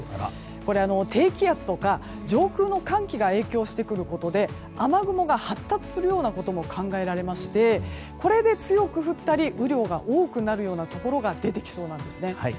これ、低気圧とか上空の寒気が影響してくることで雨雲が発達するようなことも考えられましてこれで強く降ったり雨量が多くなるところが出てきそうなんですね。